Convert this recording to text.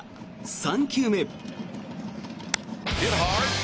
３球目。